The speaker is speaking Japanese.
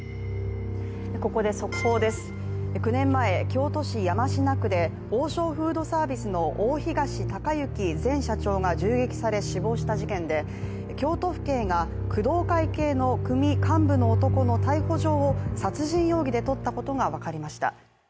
ここで速報です、９年前京都府山科区で王将フードサービスの大東隆行前社長が銃撃され死亡した事件で京都府警が工藤会系の組幹部の男の逮捕状を殺人容疑で取ったことが分かりました。